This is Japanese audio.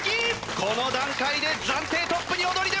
この段階で暫定トップに躍り出ました！